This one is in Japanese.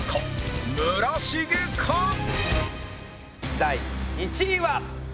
第１位は。